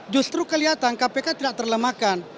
justru kelihatan kpk tidak terlemahkan